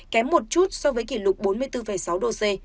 kém một chút so với kỷ lục bốn mươi bốn sáu độ c